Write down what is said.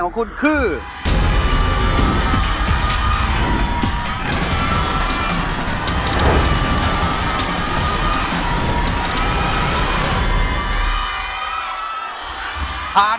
เพราะในใจน้องไม่มีผ่าน